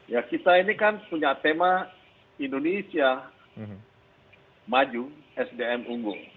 ya kita ini kan punya tema indonesia maju sdm unggul